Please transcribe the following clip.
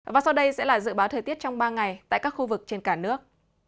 và sau đây sẽ là dự báo thời tiết trong ba ngày tại các khu vực trên cả nước